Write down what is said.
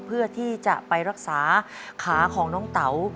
เพื่อที่จะไปรักษาขาของน้องเต๋า